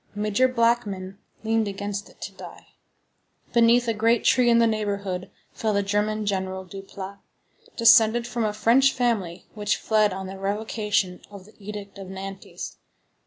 Major Blackmann leaned against it to die. Beneath a great tree in the neighborhood fell the German general, Duplat, descended from a French family which fled on the revocation of the Edict of Nantes.